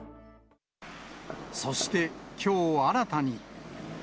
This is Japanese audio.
そして、きょうあらたに。